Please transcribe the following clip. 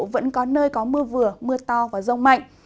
vẫn có nơi có mưa vừa mưa to và rông mạnh